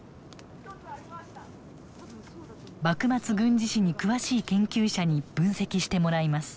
幕末軍事史に詳しい研究者に分析してもらいます。